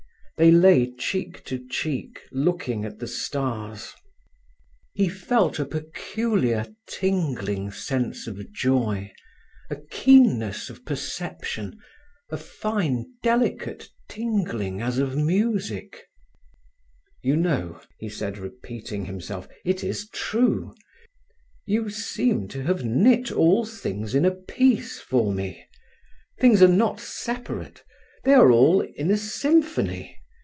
They lay cheek to cheek, looking at the stars. He felt a peculiar tingling sense of joy, a keenness of perception, a fine, delicate tingling as of music. "You know," he said, repeating himself, "it is true. You seem to have knit all things in a piece for me. Things are not separate; they are all in a symphony.